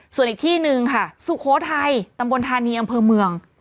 ส่วนอีกที่หนึ่งค่ะสุโขทัยตำบลธานีอำเภอเมือง